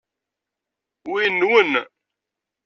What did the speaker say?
Wi nwen?